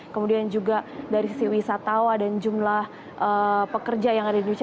kemudian juga dari sisi wisatawa dan jumlah pekerja yang ada di indonesia